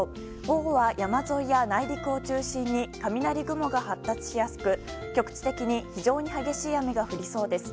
午後は山沿いや内陸を中心に雷雲が発達しやすく局地的に非常に激しい雨が降りそうです。